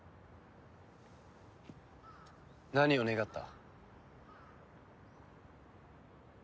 何を願った？